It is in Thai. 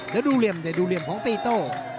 เดี๋ยวดูเหลี่ยมดูเหลี่ยมของตีโต้